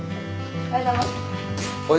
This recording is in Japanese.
おはようございます。